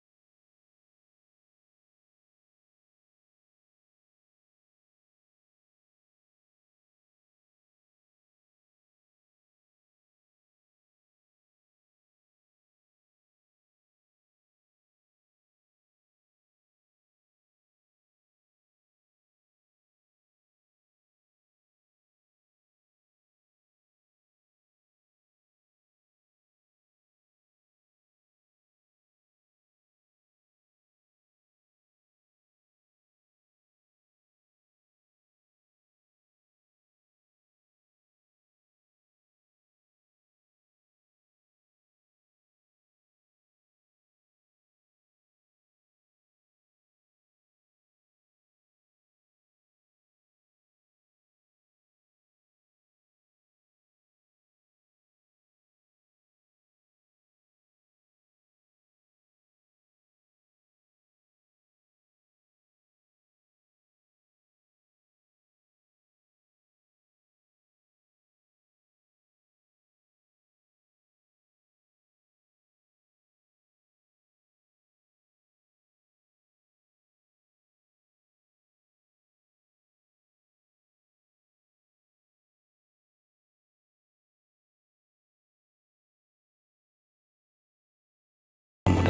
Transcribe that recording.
i love you bapak